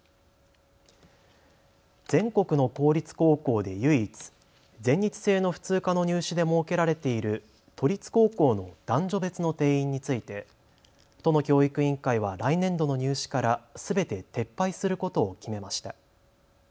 全国の公立高校で唯一、全日制の普通科の入試で設けられている都立高校の男女別の定員について都の教育委員会は来年度の入試からすべて撤廃することを決めました。